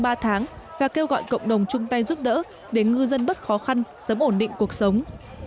trong ba tháng và kêu gọi cộng đồng chung tay giúp đỡ để ngư dân bớt khó khăn sớm ổn định cuộc sống